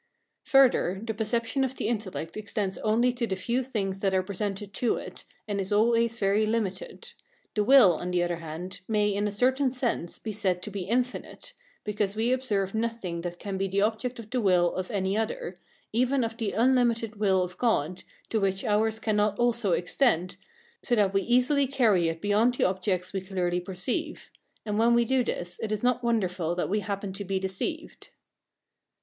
Further, the perception of the intellect extends only to the few things that are presented to it, and is always very limited: the will, on the other hand, may, in a certain sense, be said to be infinite, because we observe nothing that can be the object of the will of any other, even of the unlimited will of God, to which ours cannot also extend, so that we easily carry it beyond the objects we clearly perceive; and when we do this, it is not wonderful that we happen to be deceived.